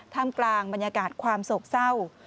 กลางบรรยากาศความโศกเศร้า